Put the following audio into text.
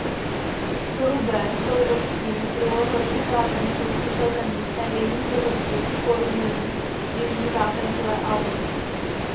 Hrubé souvrství druhohorních vápenců usazených na jejím povrchu formují jižní vápencové Alpy.